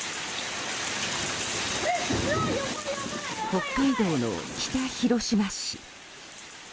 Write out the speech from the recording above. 北海道の北広島市。